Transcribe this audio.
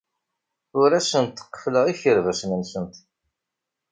Ur asent-qeffleɣ ikerbasen-nsent.